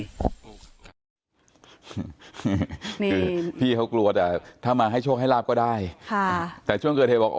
คือพี่เขากลัวแต่ถ้ามาให้โชคให้ลาบก็ได้ค่ะแต่ช่วงเกิดเหตุบอก